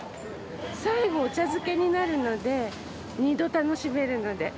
最後、お茶漬けになるので、２度楽しめるので。